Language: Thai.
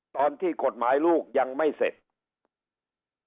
ตอนที่กฎหมายลูกยังไม่เสร็จ